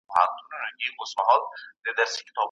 که غلطي وي سمه يې کړئ.